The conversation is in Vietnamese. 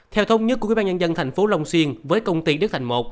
theo thông nhất của quyên bán nhân dân thành phố long xuyên với công ty đức thành một